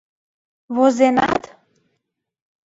Возенат?..